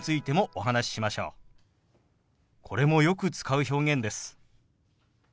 これもよく使う表現です。